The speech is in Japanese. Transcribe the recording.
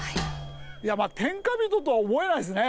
いやまあ天下人とは思えないですね。